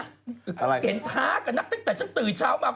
เห็นท้ากับนักตั้งแต่ฉันตื่นเช้ามา